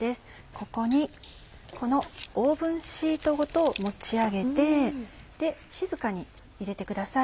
ここにこのオーブンシートごと持ち上げて静かに入れてください。